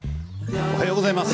おはようございます。